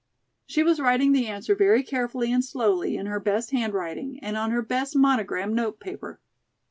She was writing the answer very carefully and slowly, in her best handwriting, and on her best monogram note paper.